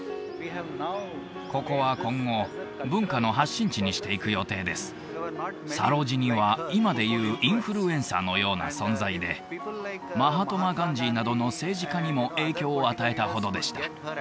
ここは今後文化の発信地にしていく予定ですサロジニは今で言うインフルエンサーのような存在でマハトマ・ガンジーなどの政治家にも影響を与えたほどでした